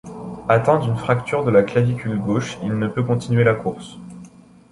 Atteint d'une fracture de la clavicule gauche, il ne peut continuer la course.